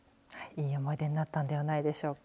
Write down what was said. いい思い出になったのではないでしょうか。